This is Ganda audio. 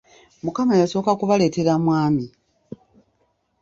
Mukama yasooka kubaleetera mwami.